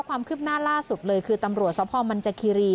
ความคืบหน้าล่าสุดเลยคือตำรวจสพมันจคีรี